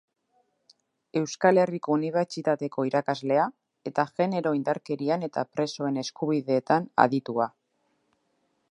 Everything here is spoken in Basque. Euskal Herriko Unibertsitateko irakaslea, eta genero-indarkerian eta presoen eskubideetan aditua.